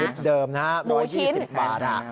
คลิปเดิมนะครับ๑๒๐บาทครับ